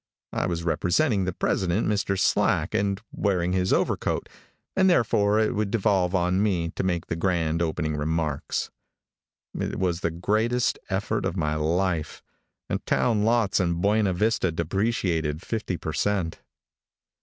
I was representing the president, Mr. Slack, and wearing his overcoat, and therefore it would devolve on me to make the grand opening remarks. It was the greatest effort of my life, and town lots in Buena Vista depreciated fifty per cent.